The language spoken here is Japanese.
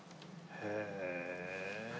へえ。